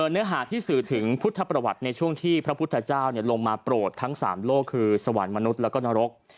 เนื้อหาที่สื่อถึงพุทธประวัติในช่วงที่พระพุทธเจ้าลงมาโปรดทั้ง๓โลกคือสวรรค์มนุษย์แล้วก็นรก